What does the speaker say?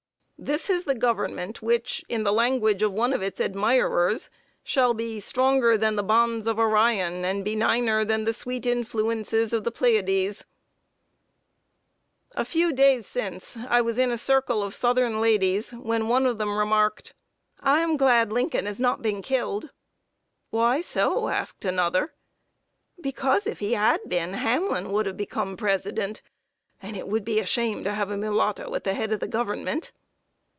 This is the government which, in the language of one of its admirers, shall be "stronger than the bonds of Orion, and benigner than the sweet influences of the Pleiades." [Sidenote: VICE PRESIDENT HAMLIN A MULATTO.] A few days since, I was in a circle of southern ladies, when one of them remarked: "I am glad Lincoln has not been killed." "Why so?" asked another. "Because, if he had been, Hamlin would become President, and it would be a shame to have a mulatto at the head of the Government."